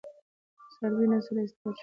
د څارویو نسل اصلاح شوی؟